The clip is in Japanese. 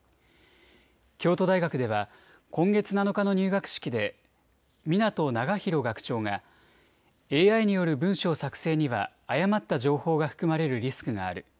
京都大学では今月７日の入学式で湊長博学長がＡＩによる文章作成には誤った情報が含まれるリスクがある。